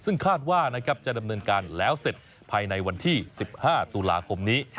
ซึ่งคาดว่าจะดำเนินการแล้วเสร็จภายในวันที่๑๕ตุลาคมนี้